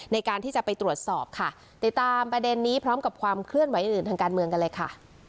ในการที่จะไปตรวจสอบค่ะติดตามประเด็นนี้พร้อมกับความเคลื่อนไหวอื่นทางการเมืองกันเลยค่ะ